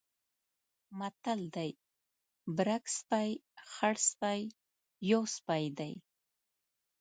متل دی: برګ سپی، خړسپی یو سپی دی.